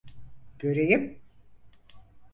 Göreyim.